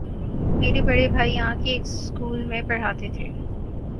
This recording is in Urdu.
میرے بڑے بھائی یہاں کے ایک سکول میں پڑھاتے تھے۔